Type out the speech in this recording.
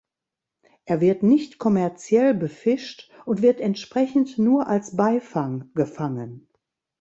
Er wird nicht kommerziell befischt und wird entsprechend nur als Beifang gefangen.